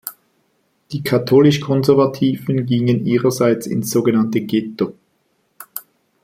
Die Katholisch-Konservativen gingen ihrerseits ins sogenannte «Ghetto».